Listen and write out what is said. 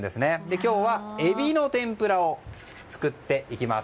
今日は、エビの天ぷらを作っていきます。